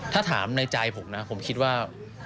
ถ้าถามในใจผมนะผมคิดว่า